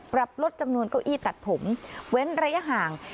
ปรับลดจำนวนเก้าอี้ตัดผมเว้นระยะห่าง